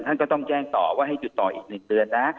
ท่านก็ต้องแจ้งต่อว่าให้หยุดต่ออีก๑เดือนนะ